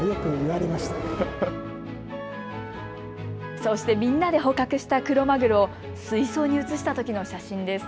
そしてみんなで捕獲したクロマグロを水槽に移したときの写真です。